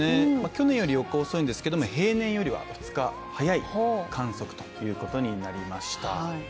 去年より４日遅いんですけど平年よりは２日早い観測となりました。